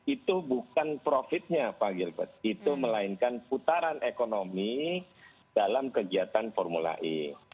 itu bukan profitnya pak gilbert itu melainkan putaran ekonomi dalam kegiatan formula e